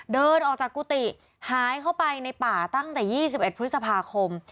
เดินออกจากกุฏิหายเข้าไปในป่าตั้งแต่๒๑พฤษภาคม